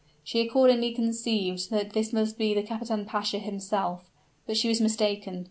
She accordingly conceived that this must be the kapitan pasha himself. But she was mistaken.